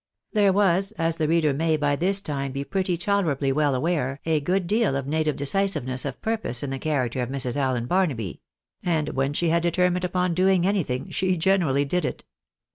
There was, as the reader may by tlds time be pretty tolerably well aware, a good deal of native decisive ness of purpose in the character of Mrs. Allen Barnaby, and when she had determined upon doing anything, she generally did it.